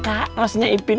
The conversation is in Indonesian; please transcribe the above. kak rosnya ipin upin ceng